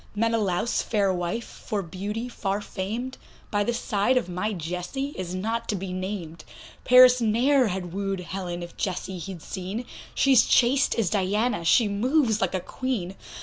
Menalaus' fair wife, for beauty far famed, By the side of my Jessie is not to be named; Paris ne'er had woo'd Helen, if Jessie he'd seen, She's chaste as Diana, she moves like a Queen.